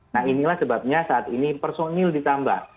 nah inilah sebabnya saat ini personil ditambah